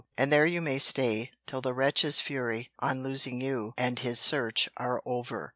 And there you may stay, till the wretch's fury, on losing you, and his search, are over.